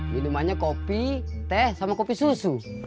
minumannya kopi teh sama kopi susu